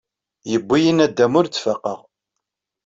Yewwi-yi nadam ur d-faqeɣ.